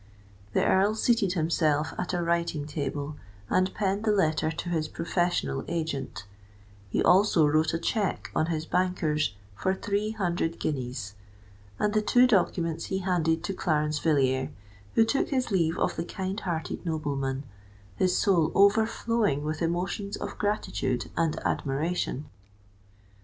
The Earl seated himself at a writing table, and penned the letter to his professional agent: he also wrote a cheque on his bankers for three hundred guineas; and the two documents he handed to Clarence Villiers, who took his leave of the kind hearted nobleman, his soul overflowing with emotions of gratitude and admiration.